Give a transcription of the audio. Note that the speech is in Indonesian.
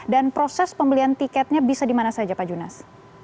dan proses pembelian tiketnya bisa di mana saja pak junas